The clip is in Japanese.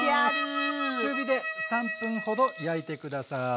中火で３分ほど焼いて下さい。